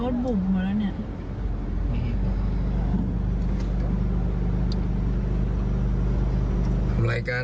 ทำรายการทำรายการ